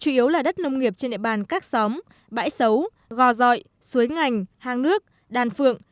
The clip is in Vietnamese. chủ yếu là đất nông nghiệp trên địa bàn các xóm bãi sấu gò dọi suối ngành hàng nước đàn phượng